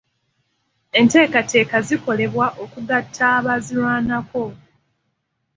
Enteekateeka zikolebwa okugatta abaazirwanako.